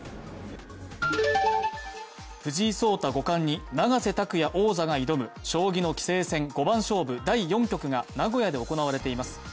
藤井聡太五冠に永瀬拓矢王座が挑む将棋の棋聖戦五番勝負第４局が名古屋で行われています。